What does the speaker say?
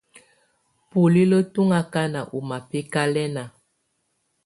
Bulilǝ́ tù ɔŋ akana ɔ mabɛkalɛna.